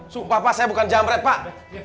sumpah pak saya bukan jamret pak